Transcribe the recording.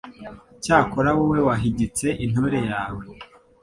Cyakora wowe wahigitse intore yawe